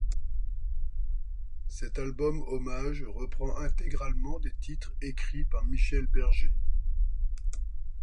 Cet album hommage reprend intégralement des titres écrits par Michel Berger.